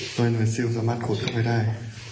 โดยหน่วยซิลสามารถขุดเข้าไปได้